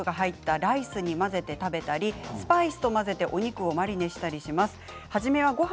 チキンやラム肉が入ったライスに混ぜて食べたりスパイスと混ぜてお肉をマリネにしたりします。